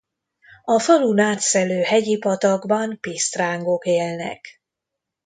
A falun átszelő hegyi patakban pisztrángok élnek.